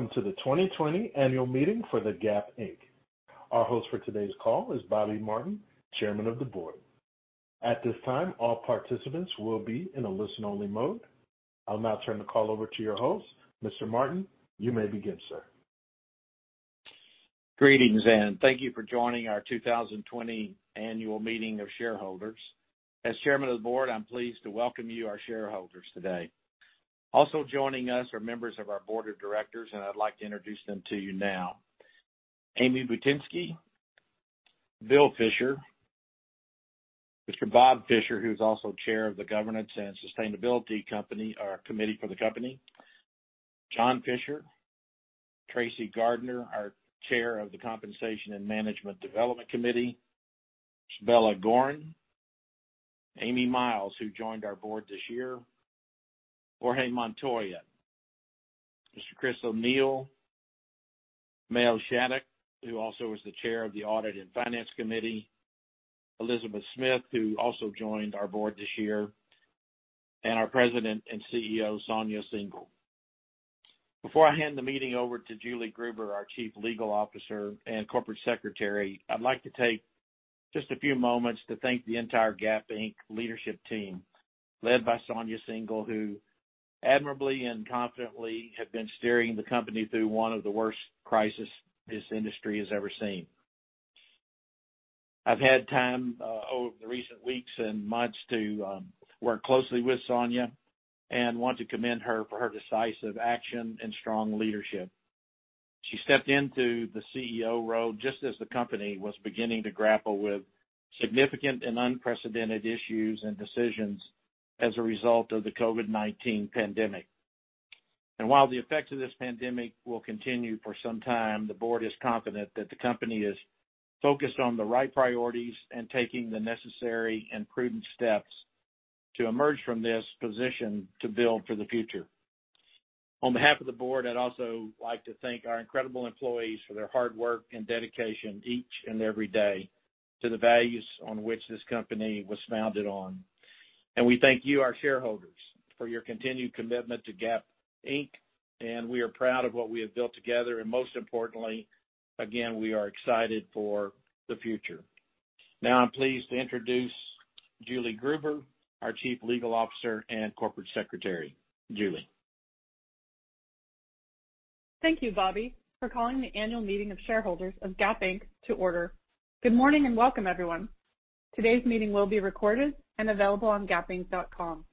Welcome to the 2020 annual meeting for Gap Inc. Our host for today's call is Bob Martin, Chairman of the Board. At this time, all participants will be in a listen-only mode. I'll now turn the call over to your host. Mr. Martin, you may begin, sir. Greetings, thank you for joining our 2020 annual meeting of shareholders. As Chairman of the Board, I'm pleased to welcome you, our shareholders, today. Also joining us are members of our Board of Directors, I'd like to introduce them to you now. Amy Bohutinsky, Bill Fisher, Mr. Bob Fisher, who's also Chair of the Governance and Sustainability Committee for the company, John Fisher, Tracy Gardner, our Chair of the Compensation and Management Development Committee, Bella Goren, Amy Miles, who joined our Board this year, Jorge Montoya, Mr. Chris O'Neill, Mayo Shattuck, who also is the Chair of the Audit and Finance Committee, Elizabeth Smith, who also joined our Board this year, and our President and CEO, Sonia Syngal. Before I hand the meeting over to Julie Gruber, our Chief Legal Officer and Corporate Secretary, I'd like to take just a few moments to thank the entire Gap Inc. leadership team, led by Sonia Syngal, who admirably and confidently have been steering the company through one of the worst crisis this industry has ever seen. I've had time over the recent weeks and months to work closely with Sonia and want to commend her for her decisive action and strong leadership. She stepped into the CEO role just as the company was beginning to grapple with significant and unprecedented issues and decisions as a result of the COVID-19 pandemic. While the effects of this pandemic will continue for some time, the board is confident that the company is focused on the right priorities and taking the necessary and prudent steps to emerge from this position to build for the future. On behalf of the board, I'd also like to thank our incredible employees for their hard work and dedication each and every day to the values on which this company was founded on. We thank you, our shareholders, for your continued commitment to Gap Inc., and we are proud of what we have built together. Most importantly, again, we are excited for the future. Now I'm pleased to introduce Julie Gruber, our chief legal officer and corporate secretary. Julie. Thank you, Bob, for calling the annual meeting of shareholders of Gap Inc. to order. Good morning, welcome, everyone. Today's meeting will be recorded and available on gapinc.com.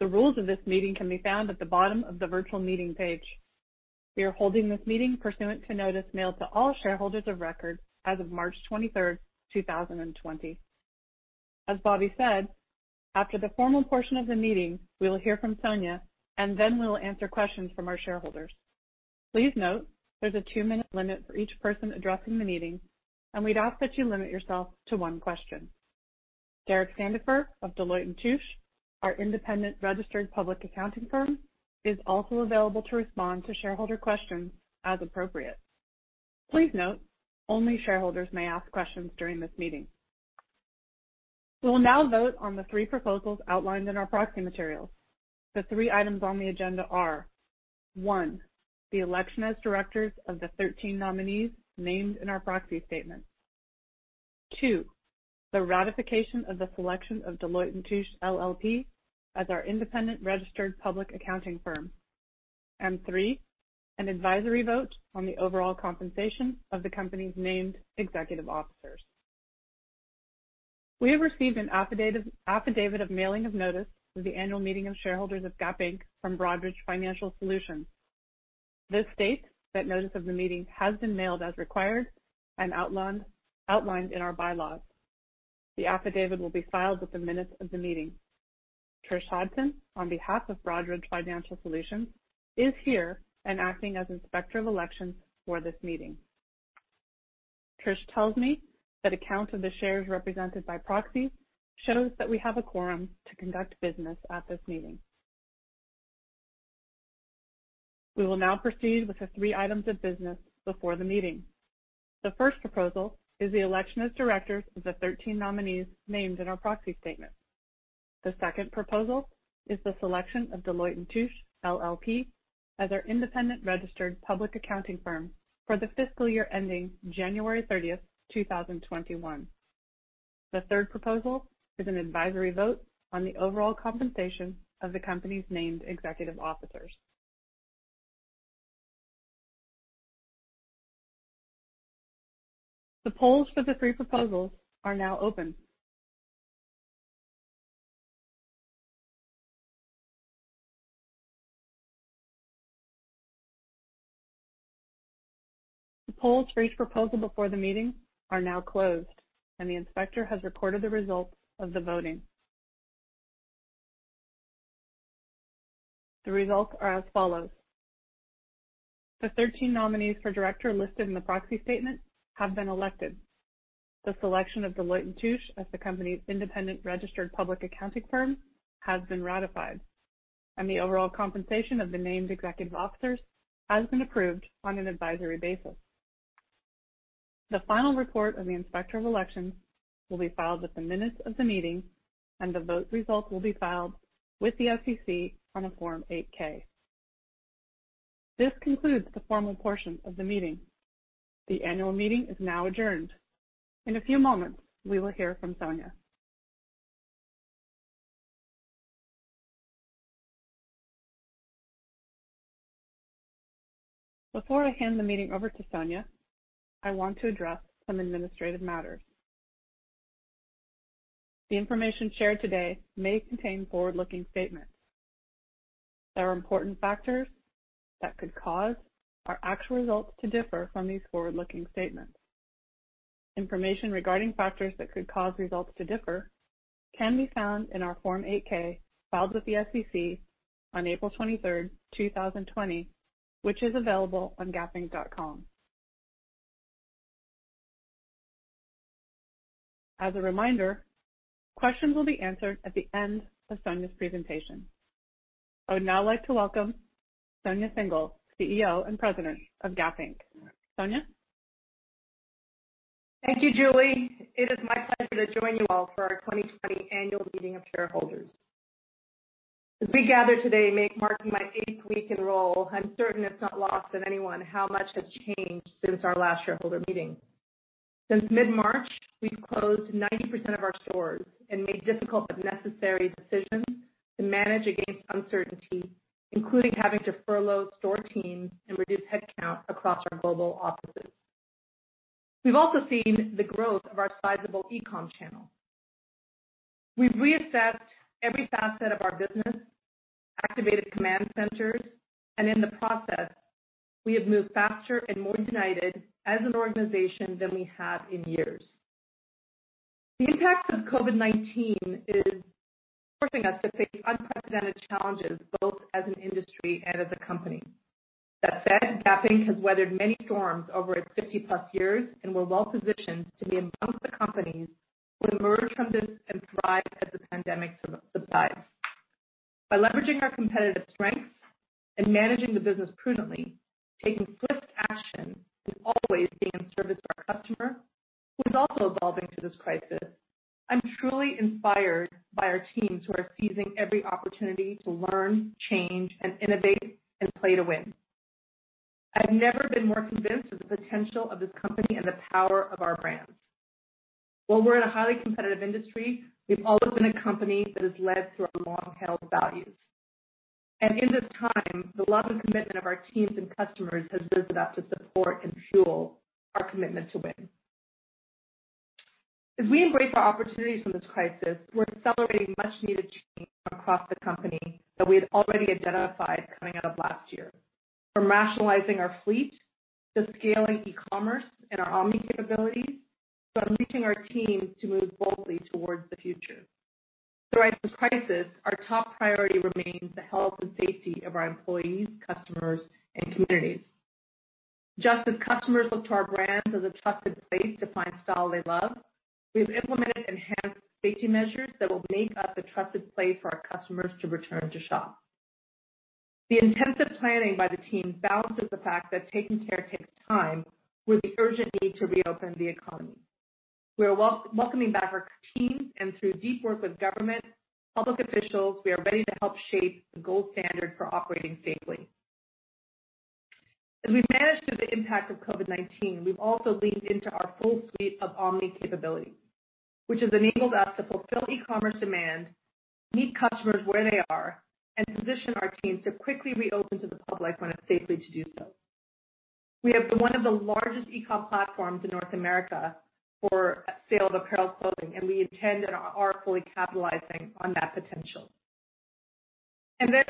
The rules of this meeting can be found at the bottom of the virtual meeting page. We are holding this meeting pursuant to notice mailed to all shareholders of record as of March 23rd, 2020. As Bob said, after the formal portion of the meeting, we will hear from Sonia, and then we'll answer questions from our shareholders. Please note, there's a two-minute limit for each person addressing the meeting, and we'd ask that you limit yourself to one question. Derek Sandefur of Deloitte & Touche, our independent registered public accounting firm, is also available to respond to shareholder questions as appropriate. Please note, only shareholders may ask questions during this meeting. We will now vote on the three proposals outlined in our proxy materials. The three items on the agenda are, 1, the election as directors of the 13 nominees named in our proxy statement. 2, the ratification of the selection of Deloitte & Touche LLP as our independent registered public accounting firm. 3, an advisory vote on the overall compensation of the company's named executive officers. We have received an affidavit of mailing of notice for the annual meeting of shareholders of Gap Inc. from Broadridge Financial Solutions. This states that notice of the meeting has been mailed as required and outlined in our bylaws. The affidavit will be filed with the minutes of the meeting. Trish Hudson, on behalf of Broadridge Financial Solutions, is here and acting as inspector of elections for this meeting. Trish tells me that a count of the shares represented by proxy shows that we have a quorum to conduct business at this meeting. We will now proceed with the three items of business before the meeting. The first proposal is the election as directors of the 13 nominees named in our proxy statement. The second proposal is the selection of Deloitte & Touche LLP as our independent registered public accounting firm for the fiscal year ending January 30th, 2021. The third proposal is an advisory vote on the overall compensation of the company's named executive officers. The polls for the three proposals are now open. The polls for each proposal before the meeting are now closed, and the inspector has reported the results of the voting. The results are as follows. The 13 nominees for director listed in the proxy statement have been elected. The selection of Deloitte & Touche as the company's independent registered public accounting firm has been ratified. The overall compensation of the named executive officers has been approved on an advisory basis. The final report of the Inspector of Elections will be filed with the minutes of the meeting, and the vote results will be filed with the SEC on a Form 8-K. This concludes the formal portion of the meeting. The annual meeting is now adjourned. In a few moments, we will hear from Sonia. Before I hand the meeting over to Sonia, I want to address some administrative matters. The information shared today may contain forward-looking statements. There are important factors that could cause our actual results to differ from these forward-looking statements. Information regarding factors that could cause results to differ can be found in our Form 8-K filed with the SEC on April 23rd, 2020, which is available on gapinc.com. As a reminder, questions will be answered at the end of Sonia's presentation. I would now like to welcome Sonia Syngal, CEO and President of Gap Inc. Sonia? Thank you, Julie. It is my pleasure to join you all for our 2020 Annual Meeting of Shareholders. As we gather today, marking my eighth week in role, I'm certain it's not lost on anyone how much has changed since our last shareholder meeting. Since mid-March, we've closed 90% of our stores and made difficult but necessary decisions to manage against uncertainty, including having to furlough store teams and reduce headcount across our global offices. We've also seen the growth of our sizable e-com channel. We've reassessed every facet of our business, activated command centers, in the process, we have moved faster and more united as an organization than we have in years. The impact of COVID-19 is forcing us to face unprecedented challenges, both as an industry and as a company. That said, Gap Inc. has weathered many storms over its 50-plus years, and we're well-positioned to be amongst the companies who emerge from this and thrive as the pandemic subsides. By leveraging our competitive strengths and managing the business prudently, taking swift action, and always being of service to our customer, who is also evolving through this crisis, I'm truly inspired by our teams who are seizing every opportunity to learn, change, and innovate, and play to win. I've never been more convinced of the potential of this company and the power of our brands. While we're in a highly competitive industry, we've always been a company that has led through our long-held values. In this time, the love and commitment of our teams and customers has risen up to support and fuel our commitment to win. As we embrace our opportunities from this crisis, we're accelerating much needed change across the company that we had already identified coming out of last year. From rationalizing our fleet to scaling e-commerce and our omni capability to unleashing our teams to move boldly towards the future. Throughout the crisis, our top priority remains the health and safety of our employees, customers, and communities. Just as customers look to our brands as a trusted place to find style they love, we've implemented enhanced safety measures that will make us a trusted place for our customers to return to shop. The intensive planning by the team balances the fact that taking care takes time with the urgent need to reopen the economy. We are welcoming back our teams, and through deep work with government, public officials, we are ready to help shape the gold standard for operating safely. As we've managed through the impact of COVID-19, we've also leaned into our full suite of omni capability, which has enabled us to fulfill e-commerce demand, meet customers where they are, and position our teams to quickly reopen to the public when it's safely to do so. We have one of the largest e-com platforms in North America for sale of apparel clothing, and we intend and are fully capitalizing on that potential.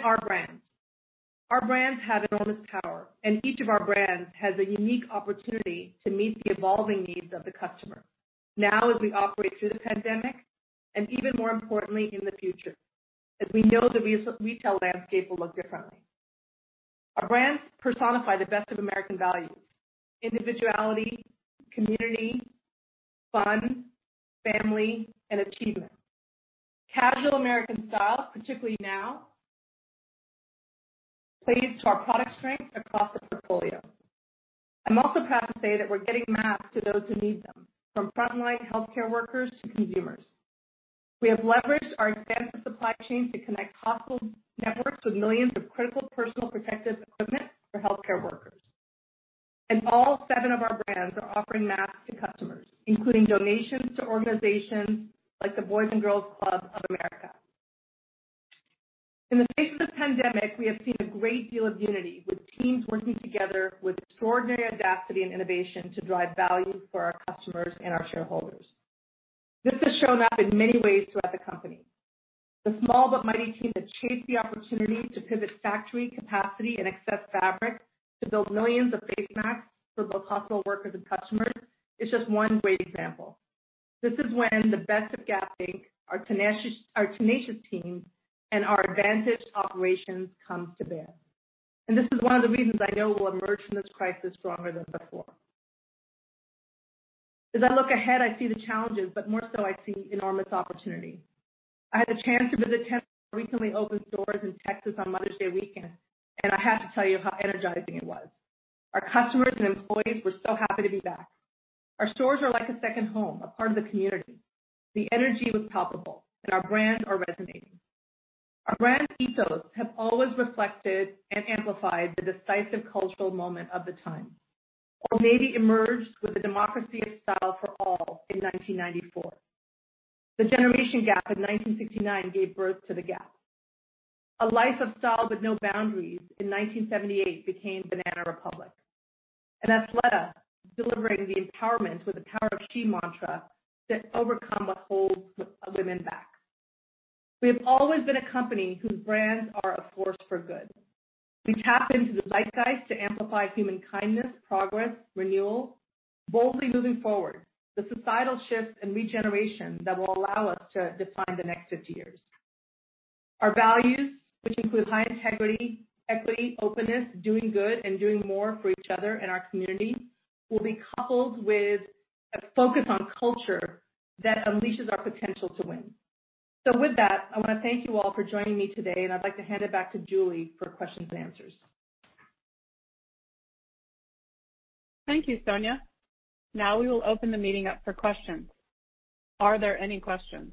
Our brands. Our brands have enormous power, and each of our brands has a unique opportunity to meet the evolving needs of the customer, now as we operate through the pandemic, and even more importantly in the future, as we know the retail landscape will look differently. Our brands personify the best of American values, individuality, community, fun, family, and achievement. Casual American style, particularly now, plays to our product strength across the portfolio. I'm also proud to say that we're getting masks to those who need them, from frontline healthcare workers to consumers. We have leveraged our expansive supply chains to connect hospital networks with millions of critical personal protective equipment for healthcare workers. All seven of our brands are offering masks to customers, including donations to organizations like the Boys & Girls Clubs of America. In the face of this pandemic, we have seen a great deal of unity with teams working together with extraordinary audacity and innovation to drive value for our customers and our shareholders. This has shown up in many ways throughout the company. The small but mighty team that chased the opportunity to pivot factory capacity and excess fabric to build millions of face masks for both hospital workers and customers is just one great example. This is when the best of Gap Inc., our tenacious teams, and our advantaged operations comes to bear. This is one of the reasons I know we'll emerge from this crisis stronger than before. As I look ahead, I see the challenges, but more so I see enormous opportunity. I had the chance to visit 10 of our recently opened stores in Texas on Mother's Day weekend, and I have to tell you how energizing it was. Our customers and employees were so happy to be back. Our stores are like a second home, a part of the community. The energy was palpable, and our brands are resonating. Our brand ethos have always reflected and amplified the decisive cultural moment of the time. Old Navy emerged with the democracy of style for all in 1994. The generation gap of 1969 gave birth to The Gap. A life of style but no boundaries in 1978 became Banana Republic. Athleta, delivering the empowerment with the Power of She mantra to overcome what holds women back. We have always been a company whose brands are a force for good. We tap into the zeitgeist to amplify human kindness, progress, renewal, boldly moving forward the societal shifts and regeneration that will allow us to define the next 50 years. Our values, which include high integrity, equity, openness, doing good, and doing more for each other and our community, will be coupled with a focus on culture that unleashes our potential to win. With that, I want to thank you all for joining me today, and I'd like to hand it back to Julie for questions and answers. Thank you, Sonia. Now we will open the meeting up for questions. Are there any questions?